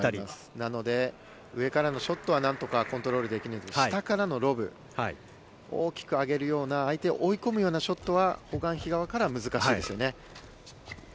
なので上からのショットはコントロールできるんですが下からのロブ大きく上げて相手を追い込むようなショットはホ・グァンヒ側からは難しいですよね。